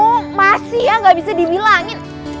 oh masih ya nggak bisa dibilangin